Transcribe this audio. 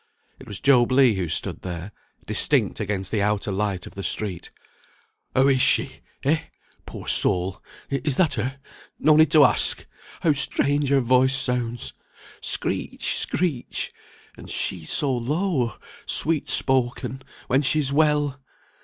It was Job Legh who stood there, distinct against the outer light of the street. "How is she? Eh! poor soul! is that her! no need to ask! How strange her voice sounds! Screech! screech! and she so low, sweet spoken, when she's well!